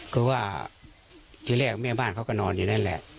ก็ว่าที่แรกแม่บ้านเขาก็นอนอยู่นั่นแหละ